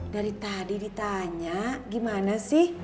dari tadi ditanya gimana sih